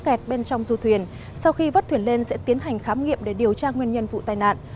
kẹt bên trong du thuyền sau khi vớt thuyền lên sẽ tiến hành khám nghiệm để điều tra nguyên nhân vụ tai nạn